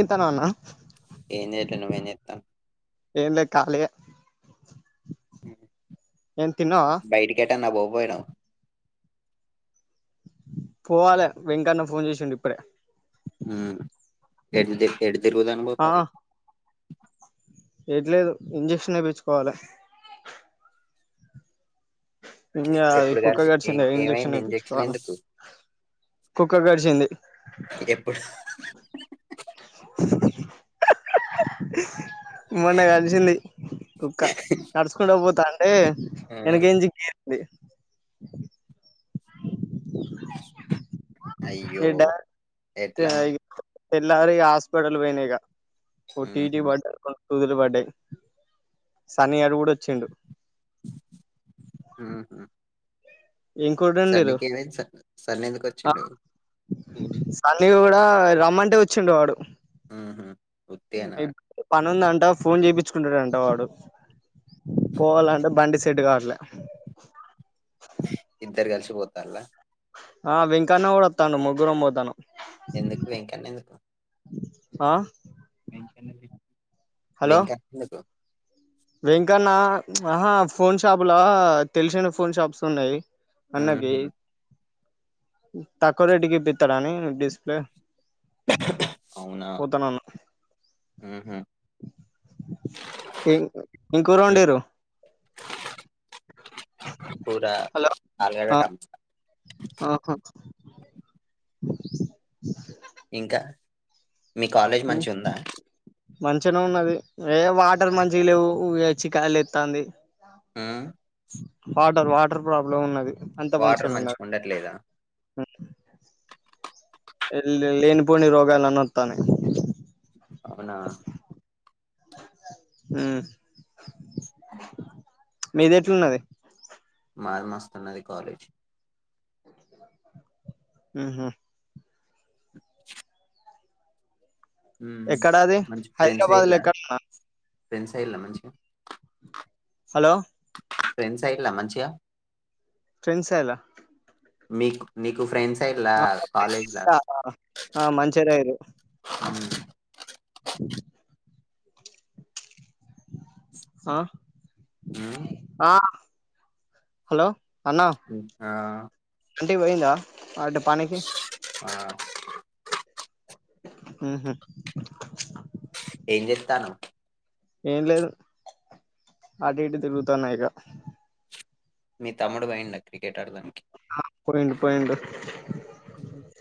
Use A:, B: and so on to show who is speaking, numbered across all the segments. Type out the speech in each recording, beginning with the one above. A: ఇంతనన్నా
B: ఏం చేయట్లే నువ్వేం చేస్తావ్
A: ఏంద ఖాలి ఏన్ తన్నవ
B: ఒకే అన్న పోయారా
A: పోవాలి వెంకన్న ఫోన్ చేసిండి ఇప్పుడే
B: ఎ ఎటు తిరుగుదు అని పోతారు
A: ఎట్ లేదు ఇంజక్షన్ అయించుకోవాలి ఇ
B: ఎప్పుడు
A: కుక్క
B: కలిసి ఏ
A: కరిసింది ఇంజెక్షన్
B: ఏమైంది
A: ఎప్చుకోవాలె
B: ఎందుకు
A: కుక్క గడిచింది
B: ఎప్పుడు
A: మొన్న కలిసిల్లి కుక్క నడుస్కుంట పోతాను తే
B: ఉమ్,
A: ఎనకనుచే ఏసింది
B: అయ్యో ఎట్లా మరి
A: తెల్లరి హాస్పిటల్ పోయినయిగా ఓ టీ టీ
B: ఉహు
A: పడ్డది ఓ రెండు సూదులు పడ్డాయి వచ్చిండు
B: హుహూ
A: ఏం కూర
B: సర్
A: వండిర్రు
B: నీకేమైంది సన్నీ ఎందుకు
A: ఆ
B: వచ్చిండు అసలు
A: సన్నీ కూడా రమ్మంటే వచ్చిండు వాడు
B: హుహు
A: ఇ పని ఉందంట ఫోన్ చేయిించుకుంటాడంట వాడు పోవాలంటే బండి సెట్టు కాట్లే
B: పోతాన్ల
A: ఆ వెంకన్న కూడాడుతను ముగ్గురు అంబోతాను
B: ఎందుకు వెంకన్న ఎందుకు
A: ఆ
B: వెంకన్న
A: హలో
B: ఎందుకు
A: వెంకన్న ఆహా ఫోన్ షాపులా తెలిసిన ఫోన్ షాప్స్ ఉన్నాయి అన్నకి
B: ఉహు
A: తక్కువ రేట్ కి పిట్ పిత్తడని
B: అవునా
A: పోతున్న
B: ఉహు
A: ఏం కూర వండిండ్రు
B: పోరా
A: హలో
B: ఆలుగడ్డ
A: ఆ
B: టమాట
A: ఆహా
B: ఇంకా మీ కాలేజ్ మంచి ఉందా
A: మంచిగానే ఉన్నది ఏ వాటర్ మంచిగా లేవు వ చికయలు ఎస్తంది
B: ఆ
A: వాటర్ వాటర్ ప్రాబ్లమ్ ఉన్నది అంత
B: వాటర్
A: మంచిగా ఉన్నాది
B: ఉండట్లేదా
A: లేనిపోని రోగాలన్నీ అతనాయ్
B: అవునా
A: హ మీది ఎట్లున్నది
B: మాది మస్తున్నది కాలేజ్
A: హు హు
B: ఉమ్
A: ఎక్కడాది
B: మంచి ఫ్రెండ్స్
A: హైదరాబాద్ లో
B: అయిల్లా
A: ఎక్కడనా
B: ఫ్రెండ్స్ అయిల్లా మంచిగా
A: హలో
B: ఫ్రెండ్స్ అయిలా మంచిగా
A: ఫ్రెండ్స్ ఎలా
B: మీకు మీకు ఫ్రెండ్స్ ఏల్లే
A: ఆ
B: కాలేజ్ లే
A: ఆ! ఆ! మంచిర్యాల
B: మ్
A: ఆ
B: ఉమ్
A: ఆ హలో అన్నా
B: ఇంక
A: ఆంటీ పోయిందా అంటే పనికి
B: ఆ
A: మ్ హు
B: ఏం జెతాన్నవ్
A: ఏం లేదు అటు ఇటు తిరుగుతున్నా ఇగ
B: మీ తమ్ముడు బోయిండ క్రికెట్ ఆడ్తనికి
A: పోయిండు పోయిండు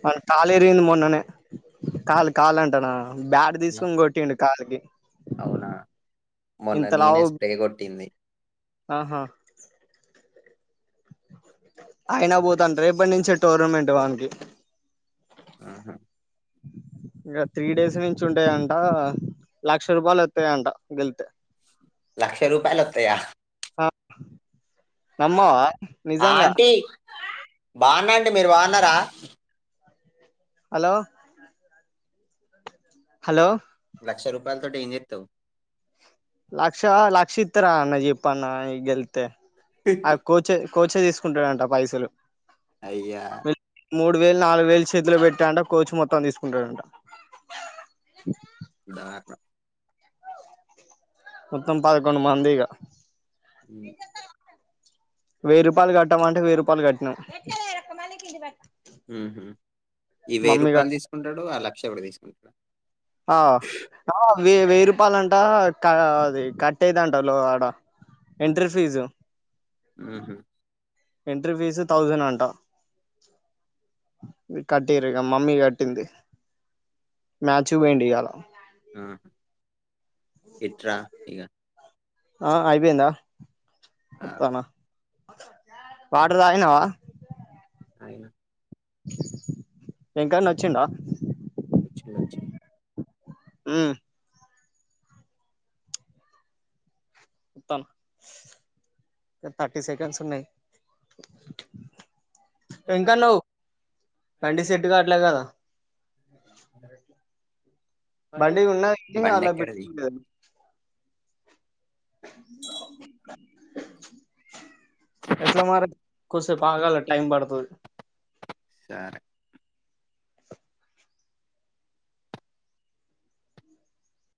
A: వాని కాలు ఇరిగింది మొన్ననే కాలు కాలు అంటానా బ్యాట్ తీసుకొని కొట్టిండు కాలుకి
B: అవునా మొన్న
A: ఇంత
B: నేనేె
A: లావు
B: స్ప్రే కొట్టింది
A: ఆహా అయినా పోతంట రేప్పట్నించే టోర్నమెంట్ వానికి
B: ఆహా
A: ఇగ త్రీ డేస్ నుంచి ఉంటాయంట లక్ష రూపాయలు వత్తాయంట గెళ్తే
B: లక్ష రూపాయలొత్తయా
A: అ నమ్మవ
B: ఆంటీ బాన్నాంటీ మీరు బాన్నారా
A: హలో హలో
B: లక్ష రూపాయలుతోటి ఏం చేత్తవు
A: లక్ష లక్ష ఇత్తార అన్న జెప్పు అన్న గెల్తే ఆ కోచ కోచే తీసుకుంటాడంట పైసలు
B: అయ్యా
A: వీళ్ళు మూడు వేలు నాలుగు వేలు చేతిలో పెట్టాంట కోచ్ మొత్తం తీసుకుంటాడంట
B: దాక్డ
A: మొత్తం పదకొండు మంది ఇగా
B: ఉమ్.
A: వెయ్యి రూపాయలు కట్టామంటే వెయ్యి రూపాయలు గట్ట్నిం
B: మ్ హు ఈ వెయ్యి
A: కట్
B: రూపాయలు తీసుకుంటాడు ఆ లక్ష కూడా తీసుకుంటాడు
A: ఆ ఆ ఈ వెయ్యి రూపాలంటా క అది కట్టేది అంట లో అడ ఎంట్రీ ఫీజు
B: మ్ హు
A: ఎంట్రీ ఫీజు థౌసంన్ అంటా కట్టిరిగ మమ్మీ కట్టింది మ్యాచ్కి పోయిండు ఈయళ
B: ఆహా ఎట్ర ఇగ
A: ఆ అయిపోయిందా
B: ఆ!
A: ఒతన వాటర్ తాగినావ
B: తాగిన
A: వెంకన్న వచ్చిండ
B: వచ్చిండు వచ్చిండు
A: ఉమ్మ్ తం థర్టీ సెకండ్స్ ఉన్నాయ్ ఎంకనో బాడి సెట్టు కా అట్లే కదా బండి ఉన్నా అలా పెట్టు
B: బండెక్కడిది?
A: ఎట్లా మరి కుసేపు ఆగాల టైం పడతది
B: సరే